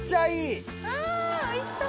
おいしそう。